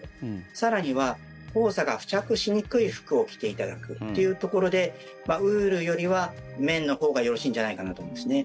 更には、黄砂が付着しにくい服を着ていただくというところでウールよりは綿のほうがよろしいんじゃないかと思いますね。